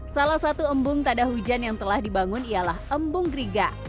salah satu embung tada hujan yang telah dibangun ialah embung griga